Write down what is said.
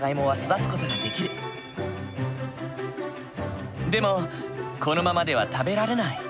でもこのままでは食べられない。